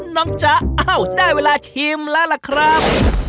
จ๊ะอ้าวได้เวลาชิมแล้วล่ะครับ